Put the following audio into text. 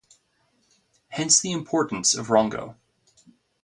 Hence the importance of Rongo.